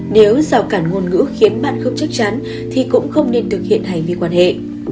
nếu rào cản ngôn ngữ khiến băn không chắc chắn thì cũng không nên thực hiện hành vi quan hệ